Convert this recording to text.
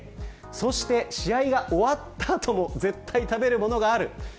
そして試合が終わった後も絶対に食べるものがあります。